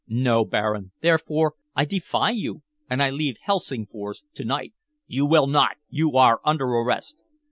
No, Baron. Therefore I defy you, and I leave Helsingfors to night." "You will not. You are under arrest."